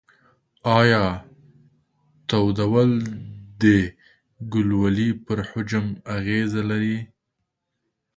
ایا تودول د ګلولې پر حجم اغیزه لري؟